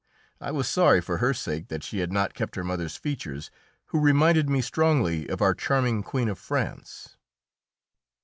I was sorry for her sake that she had not kept her mother's features, who reminded me strongly of our charming Queen of France.